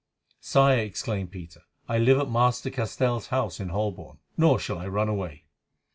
"Sire," exclaimed Peter, "I live at Master Castell's house in Holborn, nor shall I run away."